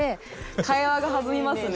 会話が弾みますね。